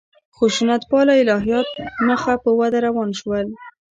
خشونت پاله الهیات مخ په وده روان شول.